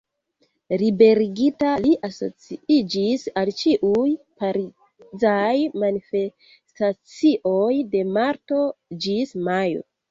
Liberigita li asociiĝis al ĉiuj parizaj manifestacioj de marto ĝis majo.